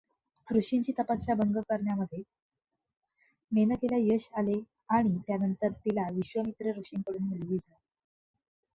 ऋषींची तपस्या भंग करण्यामधे मेनकेला यश आले आणि त्यानंतर तिला विश्वामित्र ऋषींकडून मुलगी झाली.